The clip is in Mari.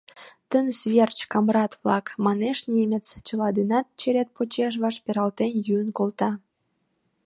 — Тыныс верч, камрат-влак! — манеш немец, чыла денат черет почеш ваш пералтен йӱын колта.